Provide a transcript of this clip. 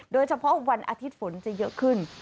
โดยเฉพาะวันอาทิตย์ฝนจะเยอะขึ้น